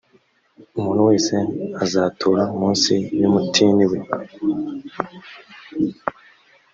umuntu wese azatura munsi y’umutini we